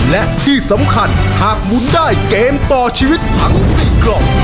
และที่สำคัญหากหมุนได้เกมต่อชีวิตทั้ง๔กล่อง